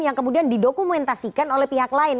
yang kemudian didokumentasikan oleh pihak lain